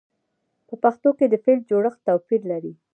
په پښتو کې د فعل جوړښت توپیر لري.